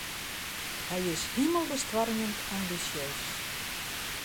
Hy is himelbestoarmjend ambisjeus.